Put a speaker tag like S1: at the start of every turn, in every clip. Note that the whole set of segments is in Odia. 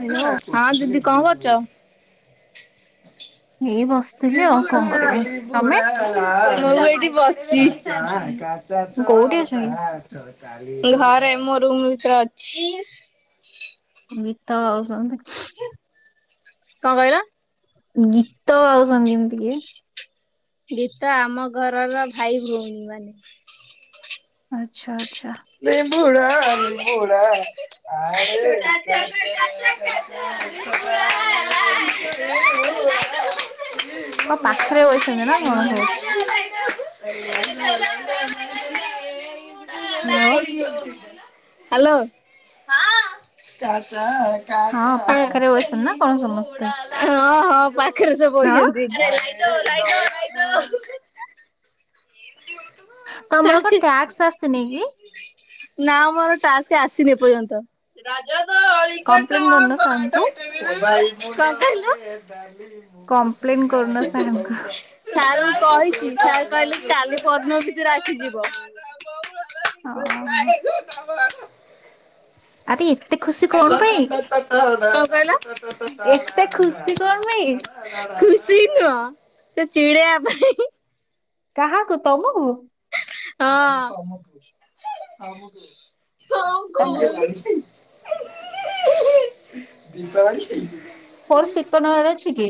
S1: ହ୍ୟାଲୋ
S2: ହଁ ଦିଦି କଣ କରୁଚ?
S1: ଏଇ ବସିଥିଲି ଆଉ କଣ କରିବି
S2: ମୁଁ
S1: ତମେ
S2: ଏଠି
S1: କୋଉଠି ଅଛ କି?
S2: ବସିଚି। ଘରେ ମୁଁ ରୁମ୍ ଭିତରେ ଅଛି।
S1: ଗୀତ ଗାଉଛନ୍ତି।
S2: କଣ କହିଲ?
S1: ଗୀତ ଗାଉଛନ୍ତି ଏମିତି କିଏ?
S2: ଗୀତ ଆମ ଘରର ଭାଇ ଭଉଣୀ ମାନେ।
S1: ଆଚ୍ଛା ଆଚ୍ଛା।
S2: ନିମ୍ବୁଡ଼ା ନିମ୍ବୁଡ଼ା। [unintelligible]
S1: [inaudible] କଣ ପାଖରେ ବଇଛନ୍ତି ନା କଣ ସବୁ
S2: [unintelligible]
S1: ହ୍ୟାଲୋ
S2: [unintelligible] ହ୍ୟାଲୋ। ହଁ
S1: ପାଖରେ ବଇଛନ୍ତି ନା କଣ
S2: ହଁ
S1: ସମସ୍ତେ
S2: ପାଖରେ
S1: ହଁ
S2: ସବୁ ବଇଛନ୍ତି। [unintelligible]
S1: ତମର କଣ ଟ୍ୟାକ୍ସ ଆସିନି କି?
S2: ନା ମୋର ଟାସ୍କ ଆସିନି ଏ ପର୍ଯ୍ୟନ୍ତ। [inaudible] [inaudible] କହିଲେ
S1: କମ୍ପ୍ଲେନ କରୁନ ସାର୍ ଙ୍କୁ
S2: କାଲି
S1: କମ୍ପ୍ଲେନ କରୁନ ସାର୍ ଙ୍କୁ
S2: ପରଦିନ ଭିତରେ ଆସିଯିବ। [inaudible]
S1: ହଁ। ଆରେ ଏତେ ଖୁସି କଣ ପାଇଁ
S2: [inaudible] [inaudible]
S1: ଏତେ ଖୁସି କଣ ପାଇଁ?
S2: ସେ ନୁହଁ ସେ ଚିଡେଇବା ପାଇଁ
S1: କାହାକୁ ତମକୁ? ତମେ
S2: ହଁ। [inaudible]
S1: ଫୋର୍ [unintelligible] ଅଛି କି?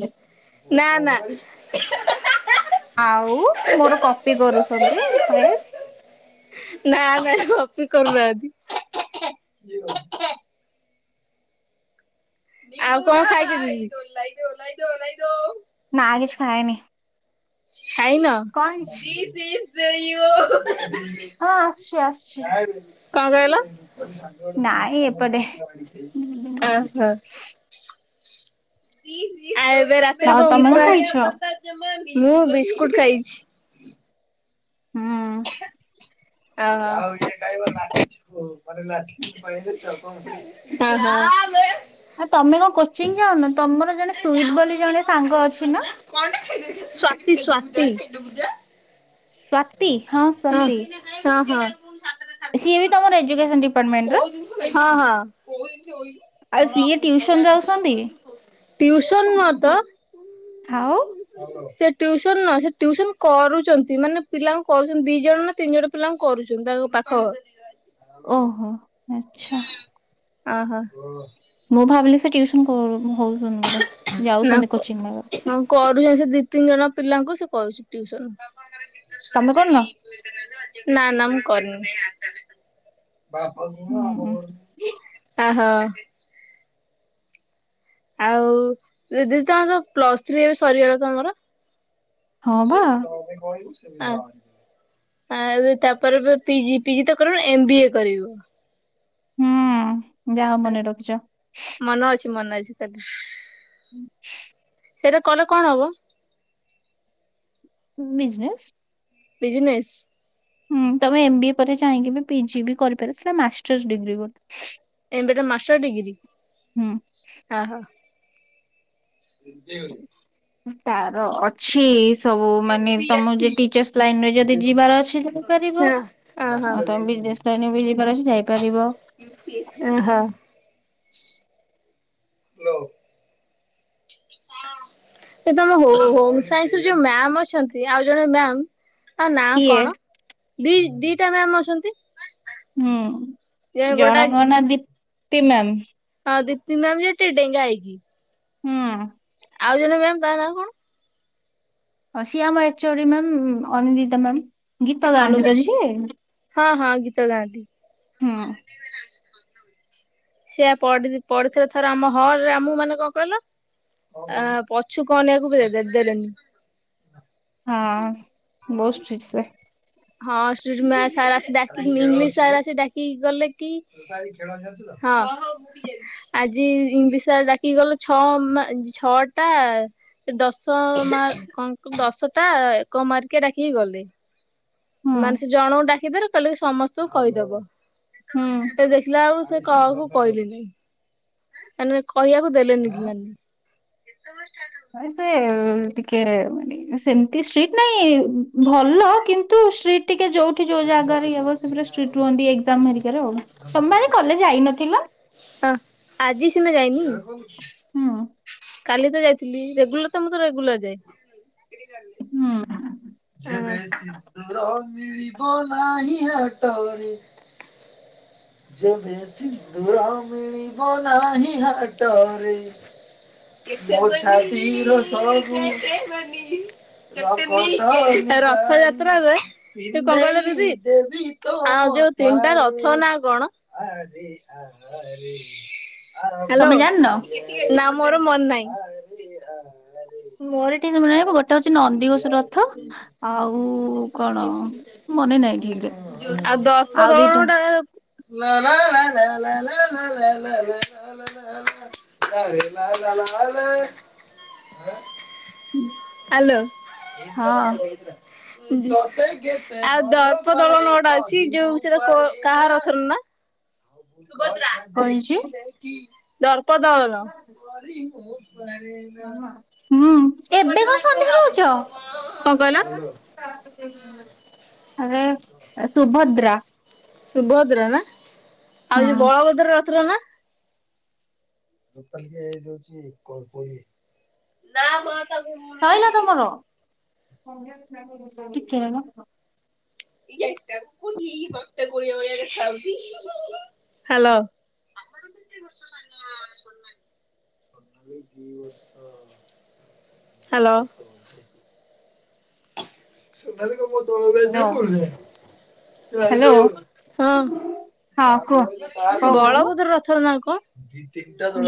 S2: ନା ନା।
S1: ଆଉ ମୋର କପି କରୁସନ୍ତି ଭଏସ୍।
S2: କି କରୁ [inaudible] ଆଉ କଣ ଖାଇୋ ଦ [inaudible]
S1: ନା କିଛି ଖାଇନି
S2: ହୋଇନ
S1: କଣ ହେଇଛି?
S2: ଦିଇ [inaudible]
S1: ହଁ ଆସୁଛି ଆସୁଛି।
S2: କଣ କହିଲ?
S1: ନାଇଁ ଏପଟେ ଦିଦିଙ୍କ।
S2: ଅ ହ [inaudible] ଆ ଏବେ ରାତିରେ
S1: ଆଉ
S2: କ [inaudible]
S1: ତମେ କଣ ଖାଇଛ?
S2: ମୁଁ ବିସ୍କୁଟ ଖାଇଛି।
S1: ହୁଁ।
S2: ଉ ଇ କହା [inaudible] ହଁ ବେ।
S1: ଆଉ ତମେ କଣ କୋଚିଂ ଯାଉନ ତମର ଜଣେ ସୁଇଟ ବୋଲି ଜଣେ ସାଙ୍ଗ ଅଛି ନା?
S2: ଶ୍ୱାତୀ ଶ୍ୱାତୀ!
S1: ସ୍ଵାତି ହଁ ସ୍ଵାତି
S2: ହଁ ହଁ।
S1: ସିଏ ବି ତମର ଏଜୁକେସନ ଡିପାର୍ଟମେଣ୍ଟର?
S2: ହଁ ହଁ।
S1: ଆଉ
S2: ହଁ
S1: ସିଏ ଟିଉସନ
S2: ଖାଇଲା ଖାଇଲା
S1: ଯାଉଛନ୍ତି
S2: କହିଲୁ ଟିଉସନ ନୁଁ ହତ
S1: ଆଉ
S2: ସେ ଟୁସନ ନ ସେ ଟୁସନ କରୁଛନ୍ତି ମାନେ ପିଲାଙ୍କୁ କରୁଛନ୍ତି ଦି ଜଣ ନା ତିନି ଜଣ ପିଲାଙ୍କୁ କରୁଛନ୍ତି ତାଙ୍କ ପାଖ
S1: ଓହୋ ଆଚ୍ଛା।
S2: ଅ ହୋ।
S1: ମୁଁ ଭାବିଲି ସେ ଟିଉସନ କରୁ ହଉଛନ୍ତି ବୋଧେ।
S2: ନା
S1: ଯାଉଛନ୍ତି କୋଚିଂ ନେବାକୁ
S2: କରୁଛନ୍ତି ସେ ଦି ତିନି ଜଣ ପିଲାଙ୍କୁ ସେ
S1: ତମେ କରୁନ?
S2: ନା ନା ମୁଁ କରିନି। ଓ
S1: ହୁଁ
S2: ହୋ। ଆଉ ଦିଦି ତମର ତ ପ୍ଲସ୍ ଥ୍ରୀ ଏବେ ସରିଗଲା ତମର?
S1: ହଁ ବା
S2: ଯେବେ ନ ପାଇଁ ସେ ଆଉ। ଆଉ ତାପରେ ପିଜି ପିଜି ତ କରିବ ଏମବ ଏ କରିବୁ।
S1: ହୁଁ। ଯାହା ହଉ ମନେ ରଖିଛ।
S2: ମନେ ଅଛି ମନେ ଅଛି। ସେଟା କଲେ କଣ ହବ?
S1: ବିଜ୍ନେସ।
S2: ବିଜନେସ୍?
S1: ହୁଁ, ତମେ ଏମ ବି ଏ ପରେ ଚାହିଁକି ପିଜି ବି କରିପାରିବ ସେଟା ମାଷ୍ଟର୍ସ ଡିଗ୍ରୀି ଗୋଟେ।
S2: ଏମ ବିଏ ଟା ମାଷ୍ଟର ଡିଗ୍ରୀ? ଦେବରି [inaudible]
S1: ହୁଁ ତାର ଅଛି ସ୍ ସବୁ ମାନେ ତମକୁ ଯଦି ଟିଚର୍ସ ଲାଇନରେ ଯଦି ଯିବାର ଅଛି ଯାଇପାରିବ।
S2: ଓହୋ।
S1: ଆଉ ତମେ ବି ଜିନେସ୍ ବି ଯିବାର ଅଛି ଯାଇପାରିବ।
S2: ଓଃହ।
S1: [inaudible] ଆ [inaudible]
S2: ଏ ତମ ହୋ-ହୋମ ସାଇନ୍ସ ର ଯୋଉ ମ୍ୟାାମ୍ ଅଛନ୍ତି ଆଉ ଜଣେ ମ୍ୟାାମ୍ ତାଙ୍କ ନାଁ
S1: କିଏ
S2: କଣ, ଦି ଦିଟା ମ୍ୟାାମ ଅଛନ୍ତି।
S1: ହୁଁ
S2: ଯେ ଗୋଟା
S1: ଜଣଙ୍କ ନାଁ ଦୀପ୍ତି ମ୍ୟାମ୍।
S2: ହଁ ଦୀପ୍ତି ମ୍ୟାମ୍ ଯିଏ ଟିକେ ଡେଙ୍ଗା ହେଇକି।
S1: ହୁଁ।
S2: ଆଉ ଜଣେ ମ୍ୟାମ୍ ତା ନା କଣ?
S1: ହଁ ସିଏ ଆମ H O D ma'am Anindita ma'am. ଗୀତ
S2: ଅନୁ
S1: ଗାଆନ୍ତି ତ ଯିଏ?
S2: ହଁ ହଁ ଗୀତ ଗାଆନ୍ତି।
S1: ହଁ।
S2: ସିଏ ପଡି ପଡିଥିଲେ ଥରେ ଆମ ହଲରେ ଆମକୁ ମାନେ କଣ କହିଲ? ଆ ପଛୁକୁ ଅନେଇ ଆକୁ ବି ଦେବେ ଦେଲେନି।
S1: ହଁ ବହୁତ ଷ୍ଟ୍ରିଟ ସେ।
S2: ହଁ ଷ୍କ୍ରିଟ ମ୍ୟାଥ୍ ସାର ଆସି ଡ଼ାକି ଇଂଗ୍ଲିଶ୍ ସାର ଆସି ଡାକିକି ଗଲେ କି ହଁ ଆଜି ଇଂଲିଶ ସାର ଡାକି ଗଲେ ଛଅ ମ ଛଅଟା ଏ ଦଶ ମାର୍କ କଣ ଦଶଟା ଏକ ମାର୍କିଆ ଡାକିକି ଗଲେ।
S1: ହୁଁ
S2: ମାନେ ସେ ଜଣଙ୍କୁ ଡାକିଦେଲେ କହିଲେ ସେ ସମସ୍ତଙ୍କୁ କହିଦବ।
S1: ହୁଁ
S2: ଏ ଦେଖିଲା ଏଳକୁ ସେ କହାକୁ କହିଲେନି। ମାନେ କହିବାକୁ ଦେଲେନି ସେମାନେ
S1: ନାଇଁ ସେ ଟିକେ ମାନେ ସ୍‌ ସେମିତି ଷ୍ଟ୍ରିଟ୍ ନାଇଁ ଭଲ, କିନ୍ତୁ ଷ୍ଟିଟ୍। ଟିକେ ଯୋଉଠି ଯୋଉ ଜାଗା ରେ ଇଏ ହେବ ସେ ପୁରା ଷ୍ଟ୍ରିଟ ହୁଅନ୍ତି ଏକ୍ଜାମ ହେରିକାରେ ଆଉ ତମେ ପା ଆଜି କଲେଜ ଯାଇନଥିଲ?
S2: ଓଃ ଆଜି ସିନା ଯାଇନି
S1: ହୁଁ।
S2: କାଲି ତ ଯାଇଥିଲି ରେଗୁଲାର ତ ମୁଁ ତ ରେଗୁଲାର ଯାଏ।
S1: ହୁଁ।
S2: ଉଁ।
S1: [inaudible]
S2: ଯେବେ ସିନ୍ଦୁର ମିଳିବ ନାହିଁ ହାଟରେ ମୋ ଛାତିର ସବୁ ରଥ ଯାତ୍ରାରେ ସେ କଣ କହିଲ ଦିଦି ଆଉ ଯୋଉ ତିନିଟା ରଥ ନାଁ କଣ ହ୍ଯାଲୋ
S1: ତମେ ଜାଣିନ?
S2: ନା ମୋର ମନେ ନାହିଁ।
S1: ମୋର ଟି ମନେ ନାଇଁ ଗୋଟେ ହଉଚି ନନ୍ଦିଘୋଷ ରଥ। ଆଉ କଣ? ମନେ ନାଇଁ ଠିକ ରେ।
S2: ଆଉ
S1: ଆଉ ଦିଟା
S2: ଦର୍ପଦଳନ ଟା ଲ ଲ ଲ ଲ ଲ ଲ ଲ ଲ ଆରେ ଲ ହ୍ୟାଲୋ।
S1: ହଁ
S2: ଏକା ଘଇତା ଦି ଆଉ ଦର୍ପଦଳନ ଗୋଟା ଅଛି ଯୋଉ ସେଟା କୋ କାହାର ରଥ ର ନାଁ? ସୁଭଦ୍ରା।
S1: କଣ ହେଇଛି? ହୁଁ
S2: ସୁଭଦ୍ରା
S1: ଏବେ କଣ ସନ୍ଧ୍ୟା ଦଉଛ?
S2: ଯୋଉ ରଥ
S1: ଆରେ ସୁଭଦ୍ରା
S2: ସୁଭଦ୍ରା ନା, ଆଉ
S1: ହଁ।
S2: ଯୋଉ ବଳଭଦ୍ର ରଥର ନାଁ? ନାଁ ମ ତାକୁ
S1: ସଇଲା
S2: ଉଣେଇଶି।
S1: ତମର? ଟିକେ ରହିଲ।
S2: ଇରେ ଏଇଟାକୁ ହ୍ୟାଲୋ। ତମେ କେତେ ବର୍ଷ ସାନ ଆପଣ ମାନ ହ୍ୟାଲୋ। [unintelligible]
S1: ହ୍ୟାଲୋ
S2: ହଁ
S1: ହ୍ୟାଲୋ
S2: ବଳଭଦ୍ର ରଥର
S1: ହଁ କୁହ। କଣ କହୁଥିଲ?
S2: ନାଁ କଣ?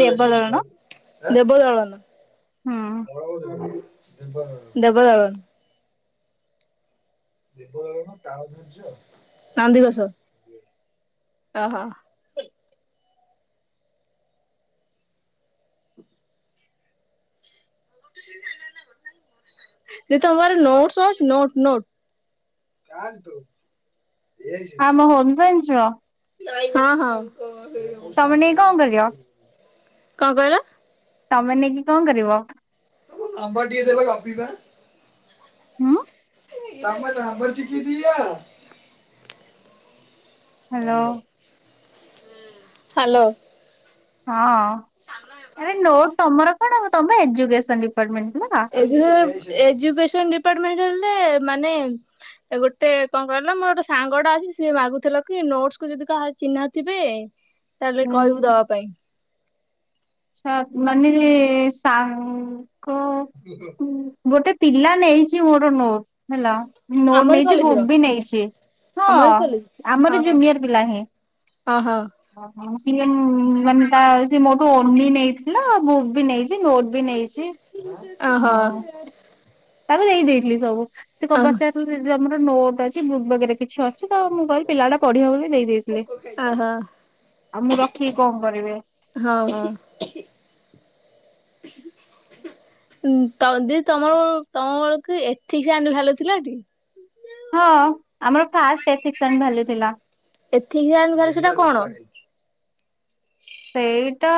S1: ଦେବଦଳନ
S2: ଦେବଦଳନ।
S1: ହୁଁ
S2: ଦେବଦଳନ। ନନ୍ଦିଘୋଷ। ଓହୋ। [inaudible] ଦିଦି ତମ ପାଖରେ ନୋଟସ ଅଛି? Note note.
S1: ଆମ ହୋମସାଇନ୍ସର?
S2: ହଁ ହଁ।
S1: ତମେ ନେଇକି କଣ କରିବ?
S2: କଣ କହିଲ?
S1: ତମେ ନେଇକି କଣ କରିବ?
S2: ତମ ନମ୍ବର ଟିକେ ଦେବେ ଗପିବା?
S1: ହୁଁ।
S2: ତମ ନମ୍ବର ଟିକେ ଦିଅ।
S1: ହାଲୋ।
S2: ହାଲୋ।
S1: ହଁ। ଆରେ ନୋଟ ତମର କଣ ହବ? ତମେ ବା ଏଜୁକସନ ଡିପାର୍ଟମେଣ୍ଟ। ପିଲା।
S2: ଏଜୁକେସ ଏଜୁକେସନ ଡିପାର୍ଟମେଣ୍ଟ ହେଲେ ମାନେ ଗୋଟେ କଣ କହିଲ, ମୋ ଗୋଟେ ସାଙ୍ଗଟା ଅଛି ସିଏ ମାଗୁଥିଲା କି ନୋଟସକୁ ଯଦି କାହାର ଚିହ୍ନା ଥିବେ ତାହେଲେ କହିବୁ ଦବା ପାଇଁ।
S1: ଛାତ୍ ମାନିଲି ସାଙ୍ଗ କ ଗୋଟେ ପିଲା ନେଇଛି ମୋର ନୋଟ ହେଲା। ନୋଟ
S2: ଆମରି
S1: ନେଇଛି
S2: କଲେଜ ର
S1: ବୁକ୍ ବି ନେଇଛି। ହଁ
S2: ଆମରି କଲେଜ
S1: ଆମର
S2: ଓହୋ
S1: ଜୁନିୟର ପିଲା ହିଁ।
S2: ଓହୋ
S1: ସିଏ ମାନେ ତା ସେ ମୋଠୁ [unintelligible] ନେଇଥିଲା ବୁକ୍ ବି ନେଇଛି, ନୋଟ ବି ନେଇଛି।
S2: ଓହୋ
S1: ହଉ ତାକୁ ଦେଇ ଦେଇଦେଇଥିଲି ସବୁ। ସେ କ ପଚାରୁଥିଲା ଦିଦି ତମର ନୋଟ ଅଛି ବୁକ୍ ବଗେରା କିଛି ଅ ଛି ତ, ମୁଁ କହିଲି ପିଲାଟା ପଢିବ ବୋଲି ଦେଇ ଦେଇଦେଇଥିଲି।
S2: ଓହୋ
S1: ଆଉ ମୁଁ ରଖିକି କଣ କରିବି?
S2: ହୁଁ। ଉମ୍ ଦିଦି ତମର କଣ ତମର କି ଏଥିସାନ୍ ଭାଲ୍ୟୁ ଥିଲାଟି?
S1: ହଁ, ଆମର ଫାଷ୍ଟ ଏଥିକ୍ସାନ୍ ଭାଲ୍ୟୁ ଥିଲା।
S2: ଏଥିକାଲ୍ ଭାଲ୍ୟୁ ସେଟା କଣ?
S1: ସେଇଟା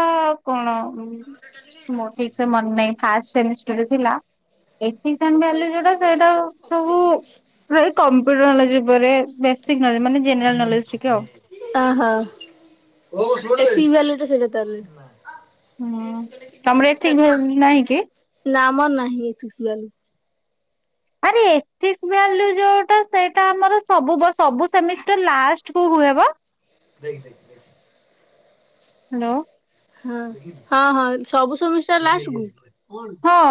S1: କଣ ଆଉ? ମୋର ଠିକସେ ମନେ ନାହିଁ, ଫାଷ୍ଟ ସେମିଷ୍ଟରରେ ଥିଲା। ଏଥିକ୍ସନ୍ ଭାଲ୍ୟୁ ଯୋଉଟା ସେଇଟା ସବୁ ସେଇ କମ୍ପ୍ୟୁଟର ନଲେଜ୍ ଉପରେ। ବେସିକ ନଲେଜ ମାନେ ଜେନେରାଲ
S2: ଓହୋ।
S1: ନଲେଜ
S2: ଏଥିକ
S1: ଟିକେ ଆଉ।
S2: ଭାଲ୍ୟୁ ଦେ ସେଇଟା ତାହେଲେ,
S1: ହୁଁ ତମର ଏଥିକ ଭ୍ୟାଲୁ ନାହିଁ କି?
S2: ନା ଆମର ନାହିଁ ଏଥିସଭାଲ୍ୟୁ।
S1: ଆରେ ଏଥିସଭାଲ୍ୟୁ ଯୋଉଟା, ସେଇଟା ଆମର ସବୁ ବ ସବୁ ସେମିଷ୍ଟର ଲାଷ୍ଟକୁ ହୁଏ ବା।
S2: ଦେଖ-ଦେଖ-ଦେଖ।
S1: ହାଲୋ।
S2: ହଁ ହଁ ହଁ ସବୁ ସେମିଷ୍ଟର ଲାଷ୍ଟକୁ।
S1: ହଁ।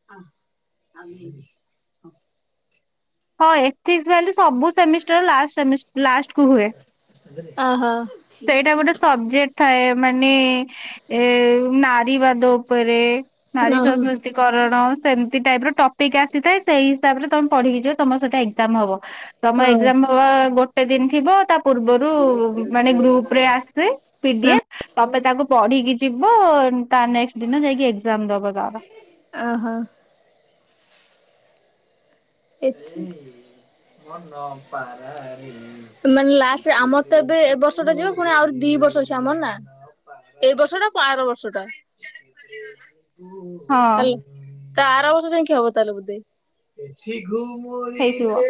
S2: [inaudible]
S1: ହଁ ଏଥିକ୍ସ ଭାଲ୍ୟୁ ସବୁ ସେମିଷ୍ଟର ଲାଷ୍ଟ ସେ ଲାଷ୍ଟକୁ ହୁଏ।
S2: ଅହ।
S1: ସେଇଟା ଗୋଟେ ସବଜେକ୍ଟ ଥାଏ। ମାନେ ଏ ନା ବିବାଦ ଉପରେ। ନାରୀ
S2: ଓହୋ
S1: ସଂସ୍କୃତିକରଣ ସେମିତି ଟାଇପର ଟପିକ୍ ଆସିଥାଏ। ସେଇ ହିସାବରେ ତମେ ପଢିକି ଯିବ ତମର ସେଟା ଏକ୍ଜାମ ହବ। ତମ
S2: ଓହୋ
S1: ଏକ୍ଜାମ ହବା ଗୋଟେ ଦିନ ଥିବ ତା ପୂର୍ବରୁ ମାନେ ଗ୍ରୁପରେ ଆସେ ପି ଡି
S2: ନା
S1: ଏଫ୍। ତାପରେ ତାକୁ ପଢିକି ଯିବ ତା ନେକ୍ସଟ ଦିନ ଯାଇକି ଏକ୍ସାମ୍ ଦବ ତାର।
S2: ଓହୋ [unintelligible] ମାନେ ଲାଷ୍ଟ ଆମର ତ ଏବେ ଏ ବର୍ଷ ଟା ଯିବ ପୁଣି ଆରି ଦି ଏ ବର୍ଷ ଅଛି ଆମର ନା, ଏଇ ବର୍ଷଟା ତା ଆର ବର୍ଷଟା। ତାଲେ
S1: ହଁ
S2: ତା ଆର ବର୍ଷ ଯାଇକି ହବ ତାହେଲେ ବୋଧେ।
S1: ହେଇଥିବ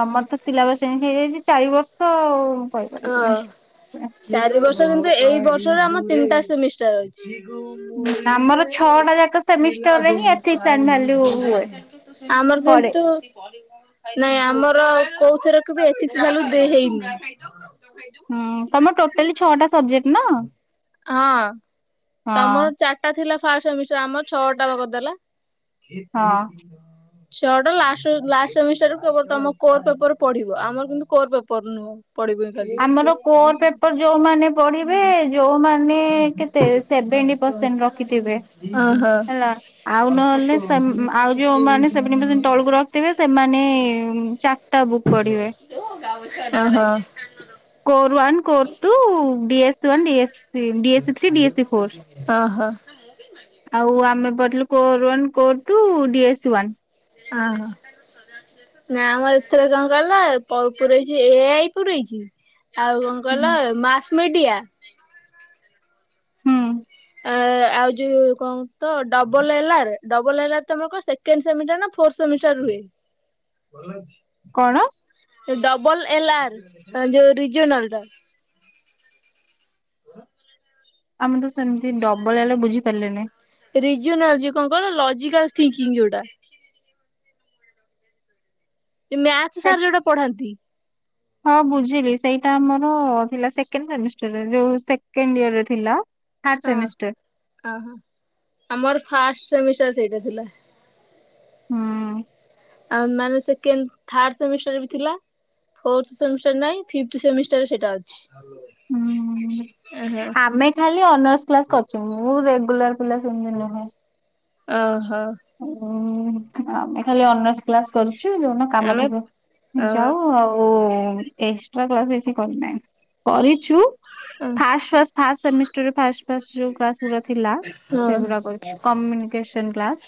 S1: ତମର ତ ସିଲାବସ୍ ଚେଞ୍ଜ ହେଇଯାଇଛି ଚାରି ବର୍ଷ ଆଉ।
S2: ହଁ
S1: କହିପାରିବିନି।
S2: ଚାରି ବର୍ଷ କିନ୍ତୁ ଏଇ ବର୍ଷରେ ଆମର ତିନିଟା ସେମିଷ୍ଟର ଅଛି।
S1: ଆମର ଛଅଟା
S2: [unintelligible]
S1: ଯାକ ସେମିଷ୍ଟରରେ
S2: ଆଉ।
S1: ହିଁ ଏଥିକ୍ସ ଆଣ୍ଡ ଭାଲ୍ୟୁ ହୁଏ।
S2: ଆମର
S1: ପରେ
S2: କିନ୍ତୁ ନାଇଁ ଆମର କୋଉଥିରେ କେବେ ଏଚିଶି ଭ୍ୟଲୁ ଦେ ହେଇନି।
S1: ହୁଁ ତମର ଟୋଟାଲି ଛଅଟା ସବଜେକ୍ଟ ନା?
S2: ହଁ
S1: ହଁ
S2: ତମର ଚାରିଟା ଥିଲା ଫାଷ୍ଟ ସେମିଷ୍ଟାର ଆମର ଛଅଟା ବା କରିଦେଲା।
S1: ହଁ।
S2: କେତେ ଦିନ ଛଅଟା ଲାଷ୍ଟ ଲାଷ୍ଟ ସେମିଷ୍ଟାର କେ ତମ କୋର ପେପର ପଢିବ, ଆମର କିନ୍ତୁ କୋର ପେପର ନୁହଁ। ପଡିବନି ଖାଲି।
S1: ଆମର କୋର ପେପର ଯୋଉମାନେ ପଢିବେ ଯୋଉମା ସେ କେତେ ସେଭେନଟି ପରଶେନଟ ରଖିଥିବେ।
S2: ଓହୋ।
S1: ହେଲା ଆଉ ନହଲେ ସ ଆଉ ଯୋଉମାନେ ସେଭେନଟି ପରଶେନଟ ତଳକୁ ରଖିଥିବେ ସେମାନେ ଚାରିଟା ବୁକ୍
S2: ଓହୋ।
S1: Core one core two D S two D A C three D A C D three D A C four
S2: ଓହୋ
S1: ଆଉ ଆମେ ପଢିଲୁ core one core two D A S one.
S2: ଅଁ ହଁ। ନା ଆମର ଏଥର କଣ କହିଲ ପ ପୁରେଇଛି ଏ ଆଇ ପୁରେଇଛି। ଆଉ କଣ କହିଲ ମାସମିଡିଆ।
S1: ହୁଁ।
S2: ଆଉ ଯୋଉ କଣ ତ ଡବଲ ଏଲାର ଡବଲ ଏଲାର ତମର କଣ ସେକଣ୍ଡ ସେମିଟାର ନା ଫୋର୍ଥ ସେମିଟର ରୁହେ? ଭଲ ଅଛି।
S1: କଣ?
S2: ଡବଲ ଏଲ ଆର ଯୋଉ ରିଜନାଲ ଟା।
S1: ଆମେ ତ ସେମିତି ଡବଲ ହେଲା ବୁଝିପାରିଲନି।
S2: ରିଜନାଲ ଯେ କଣ କହିଲ ଲଜିକାଲ ଥିଙ୍କିଙ୍ଗ ଯୋଉଟା। ଯୋଉ ମ୍ୟାଥ ସାର୍ ଯୋଉଟା ପଢାନ୍ତି।
S1: ହଁ ବୁଝିଲି ସେଇଟା ଆମର ଥିଲା ସେକେଣ୍ଡ ସେମିଷ୍ଟାର ଯୋଉ ସେକେଣ୍ଡ ଇୟରେ ଥିଲା। ଥାର୍ଡ
S2: ହ
S1: ସେମିଷ୍ଟର
S2: ଓହୋ ଆମର ଫାଷ୍ଟ ସେମିଷ୍ଟାର ସେଇଟା ଥିଲା।
S1: ହୁଁ।
S2: ଆଉ ମାନେ ସେକେଣ୍ଡ ଥାଡ ସେମିଷ୍ଟାର ବି ଥିଲା। ଫୋରଥ ସେମିଷ୍ଟାର ନାଇଁ ଫିପଥି ସେମିଷ୍ଟାର ସେଇଟା ଅଛି।
S1: ହୁଁ
S2: ଓହୋ
S1: ଆମେ ଖାଲି ଅନର୍ସ କ୍ଲାସ କରିଛୁ ମୁଁ ରେଗୁଲାର ପିଲା ସେମିତି ନୁହେଁ।
S2: ଅ ହ।
S1: ହୁଁ ଆମେ ଖାଲି ଅନର୍ସ କ୍ଲାସ କରୁ ଛୁ ଯୋଉଦିନ କାମ
S2: ଆମେ
S1: ଥିବ ଯାଉ
S2: ଅ
S1: ଆଉ ଏକ୍ସଟ୍ରା କ୍ଲାସ କିଛି କରିନାହିଁ କରିଛୁ ଫାଷ୍ଟ୍ ଫାଷ୍ଟ୍ ଫାଷ୍ଟ୍ ସେମିଷ୍ଟାର୍ ରେ ଫାଷ୍ଟ୍ ଫାଷ୍ଟ୍ ଯୋଉ କ୍ଲାସ୍ ଗୁରା ଥିଲା।
S2: ହଁ
S1: ସେଗୁରା କରିଛୁ କମୁନିକେସନ୍ କ୍ଲାସ୍।